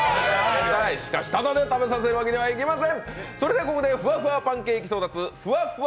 しかし、ただで食べさせるわけにはいきません。